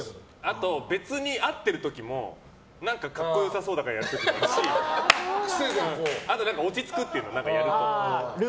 あと、別に合ってる時も何か格好良さそうだからやるしあと落ち着くっていう、やると。